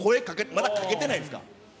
まだかけてないですか。